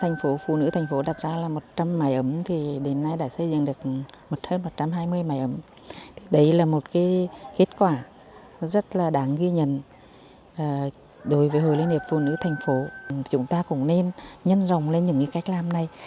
hội liên hiệp phụ nữ thành phố đà nẵng nhiệm kỳ hai nghìn một mươi một hai nghìn một mươi sáu